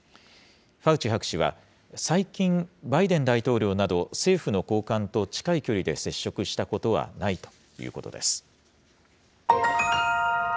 ファウチ博士は、最近、バイデン大統領など、政府の高官と近い距離で接触したことはないということです。